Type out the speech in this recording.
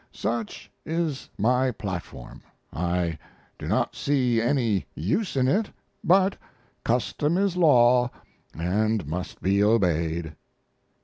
Such is my platform. I do not see any use in it, but custom is law and must be obeyed.